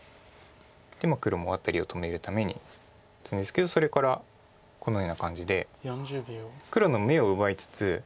黒もワタリを止めるために打つんですけどそれからこのような感じで黒の眼を奪いつつ。